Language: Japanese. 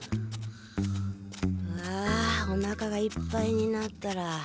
うわおなかがいっぱいになったら。